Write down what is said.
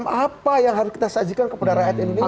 apa yang harus kita sajikan kepada rakyat indonesia